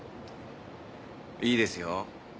いいですよ。